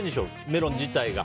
メロン自体が。